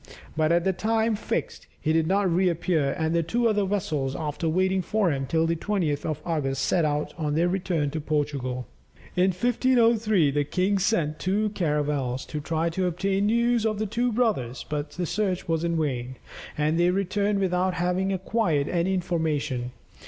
But at the time fixed, he did not reappear, and the two other vessels, after waiting for him till the 20th of August, set out on their return to Portugal. In 1503, the king sent two caravels to try to obtain news of the two brothers, but the search was in vain, and they returned without having acquired any information.